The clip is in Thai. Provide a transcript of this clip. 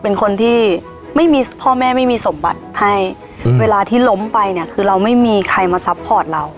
เป็นคนที่ไม่มีพ่อแม่ไม่มีสมบัติให้เวลาที่ล้มไปเนี่ยคือเราไม่มีใครมาซัพพอร์ตเรา